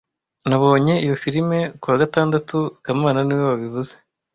Nabonye iyo firime kuwa gatandatu kamana niwe wabivuze